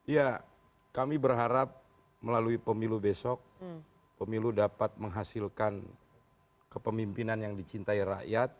ya kami berharap melalui pemilu besok pemilu dapat menghasilkan kepemimpinan yang dicintai rakyat